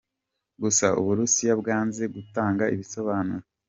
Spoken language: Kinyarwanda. Gusa u Burusiya bwanze gutanga ibisobanuro.